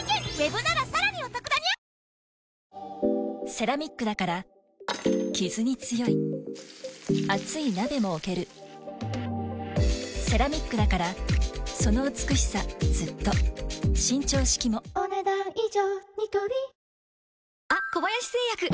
セラミックだからキズに強い熱い鍋も置けるセラミックだからその美しさずっと伸長式もお、ねだん以上。